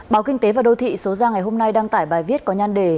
báo kinh tế và đô thị số ra ngày hôm nay đăng tải bài viết có nhan đề